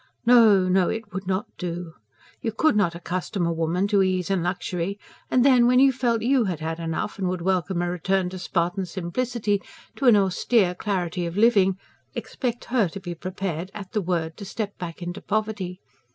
No, no! it would not do. You could not accustom a woman to ease and luxury and then, when you felt YOU had had enough and would welcome a return to Spartan simplicity, to an austere clarity of living, expect her to be prepared, at the word, to step back into poverty.